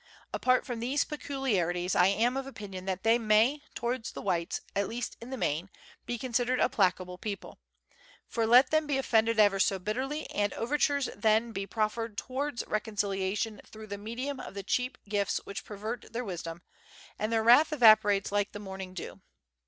Apart from these peculiarities, I am of opinion that they may, towards the whites, at least in the main, be considered a placable people ; for let them be offended ever so bitterly, and overtures then be proffered towards reconciliation through the medium of the cheap gifts which pervert their wisdom, and their wrath evaporates like the morning dew.